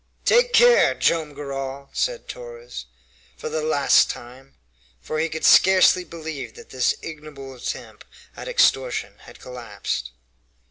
"Take care, Joam Garral!" said Torres, for the last time, for he could scarcely believe that his ignoble attempt at extortion had collapsed.